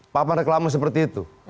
papan reklama seperti itu